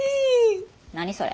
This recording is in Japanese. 何それ？